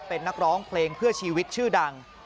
เป็นนักร้องเพลงเพื่อชีวิตชื่อดัง